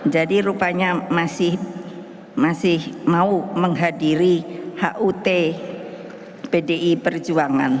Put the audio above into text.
jadi rupanya masih mau menghadiri hut bdi perjuangan